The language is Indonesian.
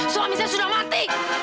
suami saya sudah mati